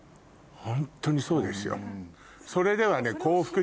ホントにそうですよ。